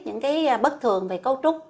những cái bất thường về cấu trúc